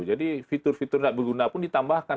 jadi fitur fitur tidak berguna pun ditambahkan